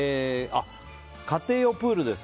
家庭用プールです。